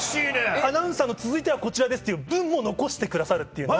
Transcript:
アナウンサーの「続いてはこちらです」っていう分も残してくださるっていうのは。